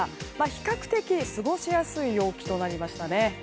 比較的過ごしやすい陽気となりましたね。